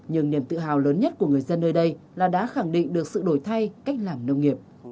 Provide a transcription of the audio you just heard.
nhưng niềm tự hào lớn nhất của người dân nơi đây là đã khẳng định được sự đổi thay cách làm nông nghiệp